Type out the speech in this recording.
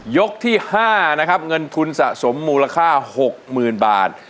ยกที่๕นะครับเงินทุนสะสมมูลค่า๖๐๐๐บาท